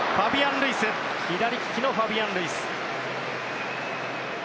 左利きのファビアン・ルイス。